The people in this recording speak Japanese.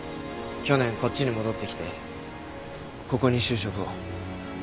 去年こっちに戻ってきてここに就職を。